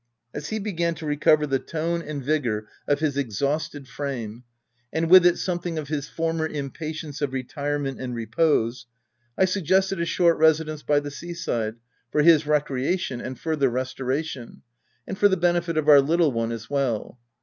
As he began to recover the tone and vigour k 3 202 THE TENANT of his exhausted frame, and with it something of his former impatience of retirement and re pose, I suggested a short residence by the sea side, for his recreation and further restoration, and for the benefit of our little one as well.